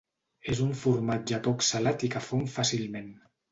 És un formatge poc salat i que fon fàcilment.